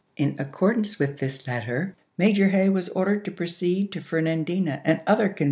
In accordance with this letter Major Hay was ordered to proceed to Fernandina and other con Jan.